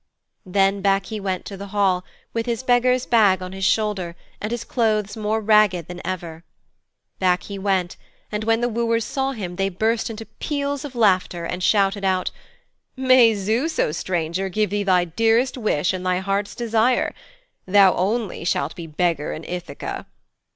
Then back he went to the hall, with his beggar's bag on his shoulder and his clothes more ragged than ever. Back he went, and when the wooers saw him they burst into peals of laughter and shouted out: 'May Zeus, O stranger, give thee thy dearest wish and thy heart's desire. Thou only shalt be beggar in Ithaka.'